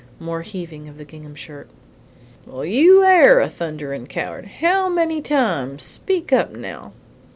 More heaving of the gingham shirt. "Well, you AIR a thunderin' coward! How many times? Speak up now."